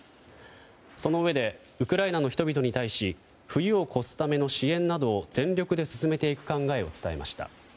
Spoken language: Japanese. そのうえでウクライナの人々に対し冬を越すための支援などを全力で進めていく考えを伝えました。